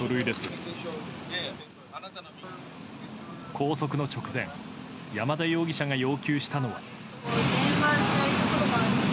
拘束の直前山田容疑者が要求したのは。